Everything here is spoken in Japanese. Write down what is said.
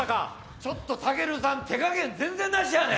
ちょっと武尊さん、手加減全然なしやねん。